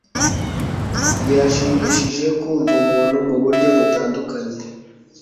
Birashimishije kumva umuntu muburyo butandukanye